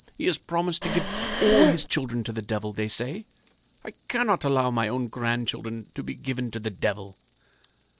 He has promised to give all his children to the Devil, they say. I cannot allow my own grandchildren to be given to the Devil."